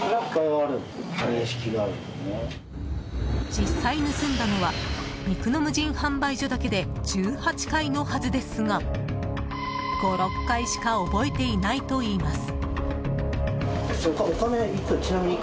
実際、盗んだのは肉の無人販売店だけで１８回のはずですが５６回しか覚えていないといいます。